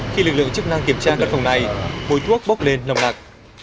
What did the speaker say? khi lực lượng chức năng kiểm tra các phòng này mối thuốc bốc lên lòng lạc